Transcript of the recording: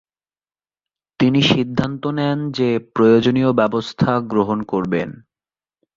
তিনি সিদ্ধান্ত নেন যে, প্রয়োজনীয় ব্যবস্থা গ্রহণ করবেন।